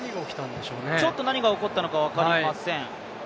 ちょっと何が起こったのか分かりません。